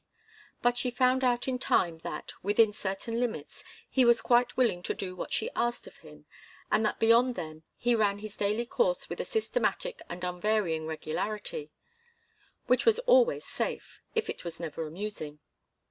But she found out in time that, within certain limits, he was quite willing to do what she asked of him, and that beyond them he ran his daily course with a systematic and unvarying regularity, which was always safe, if it was never amusing.